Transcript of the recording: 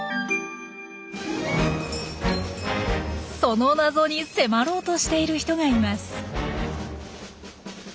その謎に迫ろうとしている人がいます。